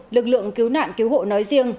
lực lượng cứu nạn cứu hộ nói riêng